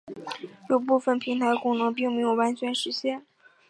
有部分平台功能并没有完全实现。